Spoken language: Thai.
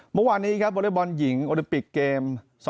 เมื่อวานนี้ครับวอเล็กบอลหญิงโอลิมปิกเกม๒๐